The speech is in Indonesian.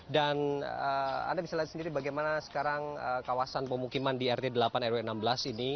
dan anda bisa lihat sendiri bagaimana sekarang kawasan pemukiman di rt delapan rw enam belas ini